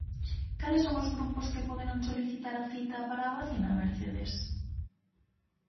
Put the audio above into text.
Cales son os grupos que poderán solicitar a cita para a vacina, Mercedes?